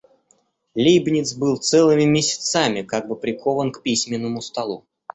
Лейбниц был целыми месяцами как бы прикован к письменному столу.